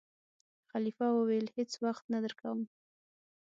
خلیفه وویل: هېڅ وخت نه درکووم.